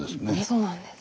そうなんです。